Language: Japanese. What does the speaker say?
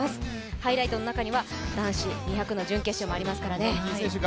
ハイライトの中には男子２００ｍの準決勝もありますからね。